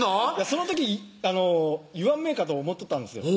その時言わんめぇかと思っとったんですよ